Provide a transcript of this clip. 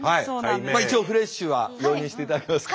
まあ一応フレッシュは容認していただけますか？